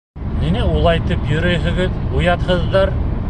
Ниңә улайтып йөрөйһөгөҙ, оятһыҙҙар?